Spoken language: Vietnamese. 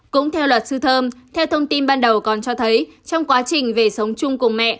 cũng theo luật sư thơm theo thông tin ban đầu còn cho thấy trong quá trình về sống chung cùng mẹ